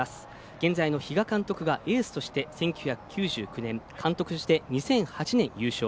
現在の比嘉監督がエースとして１９９９年、監督として２００８年に優勝。